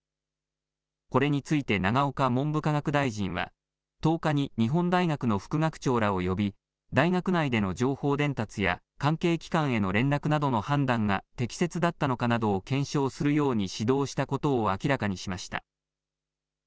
これについて永岡文部科学大臣は１０日に日本大学の副学長らを呼び、大学内での情報伝達や関係機関への連絡などの判断が適切だったのかなどを検証するように指導したことを明らかにしました。